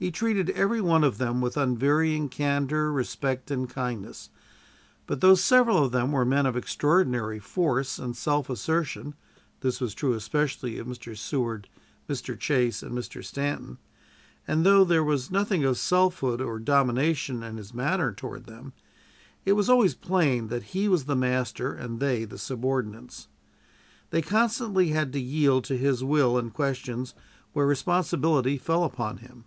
He treated every one of them with unvarying candor, respect, and kindness; but, though several of them were men of extraordinary force and self assertion this was true especially of Mr. Seward, Mr. Chase, and Mr. Stanton and though there was nothing of self hood or domination in his manner toward them, it was always plain that he was the master and they the subordinates. They constantly had to yield to his will in questions where responsibility fell upon him.